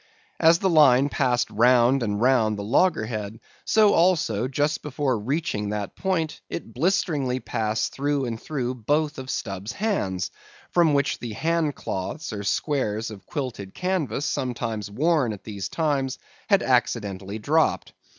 As the line passed round and round the loggerhead; so also, just before reaching that point, it blisteringly passed through and through both of Stubb's hands, from which the hand cloths, or squares of quilted canvas sometimes worn at these times, had accidentally dropped.